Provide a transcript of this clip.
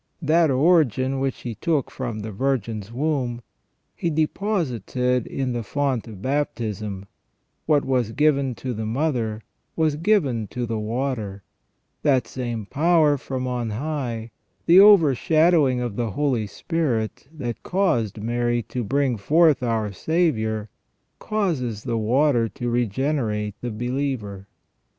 That origin which He took from the Virgin's womb. He deposited in the font of baptism : what was given to the mother was given to the water : that same power from on high, the overshadowing of the Holy Spirit, that caused Mary to bring forth our Saviour, causes the water to regenerate the believer.